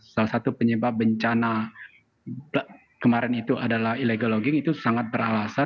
salah satu penyebab bencana kemarin itu adalah illegal logging itu sangat beralasan